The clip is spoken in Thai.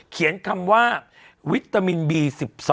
เขียนคำว่าวิตามินบี๑๒